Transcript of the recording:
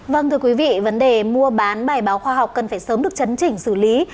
vâng thưa quý vị vấn đề mua bán bài báo khoa học cần phải sớm được chấn chỉnh xử lý